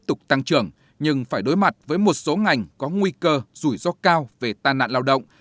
tục tăng trưởng nhưng phải đối mặt với một số ngành có nguy cơ rủi ro cao về tai nạn lao động